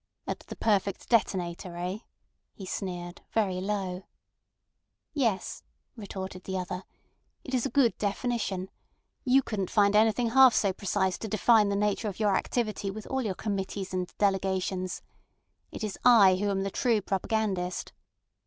"At the perfect detonator—eh?" he sneered, very low. "Yes," retorted the other. "It is a good definition. You couldn't find anything half so precise to define the nature of your activity with all your committees and delegations. It is I who am the true propagandist."